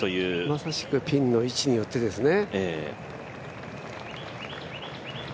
まさしくピンの位置によってですね。